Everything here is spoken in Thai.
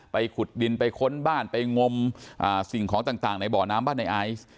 ขุดดินไปค้นบ้านไปงมสิ่งของต่างในบ่อน้ำบ้านในไอซ์